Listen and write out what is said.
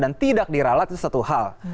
dan tidak diralat itu satu hal